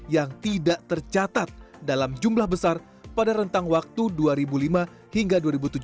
yang tidak tercatat dalam jumlah besar pada rentang waktu dua ribu lima hingga dua ribu tujuh belas